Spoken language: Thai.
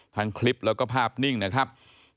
ทั้งคลิปแล้วก็ภาพนิ่งนะครับ